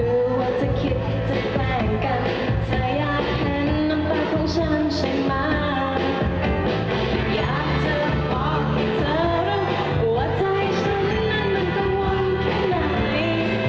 ก่อนจะพูดอะไรก็มาอยากจะขอให้เธอสัญญาว่าถ้าเธอไม่ทำให้ฉันก็เสียใจ